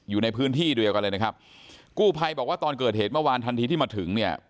อยู่ในพื้นที่เดียวกันเลยนะครับกู้ภัยบอกว่าตอนเกิดเหตุเมื่อวานทันทีที่มาถึงเนี่ย